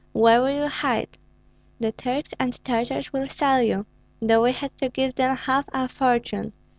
Where will you hide? The Turks and Tartars will sell you, though we had to give them half our fortune.